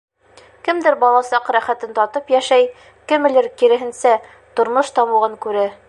Кемдер бала саҡ рәхәтен татып йәшәй, кемелер, киреһенсә, тормош тамуғын күрә.